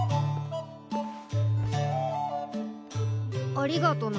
ありがとな